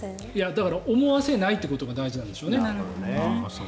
だから思わせないということが大事なんでしょうね。